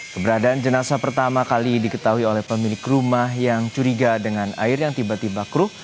keberadaan jenasa pertama kali diketahui oleh pemilik rumah yang curiga dengan air yang tiba tiba keruh